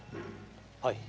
はい。